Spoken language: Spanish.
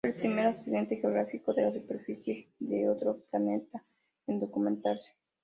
Fue el primer accidente geográfico de la superficie de otro planeta en documentarse.